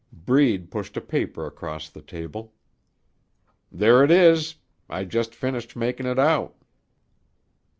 Breed pushed a paper across the table. "There it is. I just finished making it out."